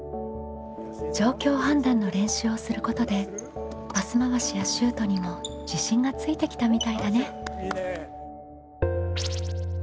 状況判断の練習をすることでパス回しやシュートにも自信がついてきたみたいだね。